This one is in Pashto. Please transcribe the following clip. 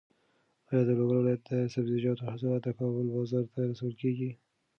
ایا د لوګر ولایت د سبزیجاتو حاصلات د کابل بازار ته رسول کېږي؟